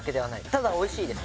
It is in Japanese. ただおいしいです